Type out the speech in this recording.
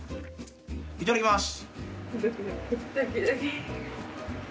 いただきます！